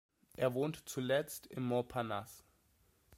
Er wohnte zuletzt in Montparnasse.